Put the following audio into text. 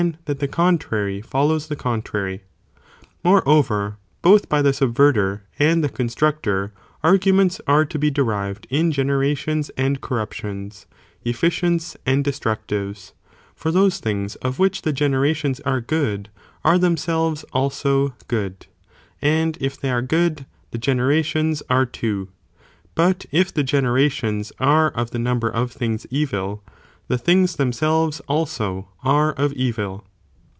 that the contrary follows the contrary. | Moreover, both by the subverter and the con s:4 τορ. we structor, (arguments are to be derived) in genera must collect tions and corruptions, efficients and destructives. ΤΟΙ τὴ pata : For those things of which the generations are ™ eben om good, are themselves also good,? and if they are itself be good good, the generations are too ;3 but if the genera % ὅ5 4" tions are of the number of things evil, the things themselves also are of evil.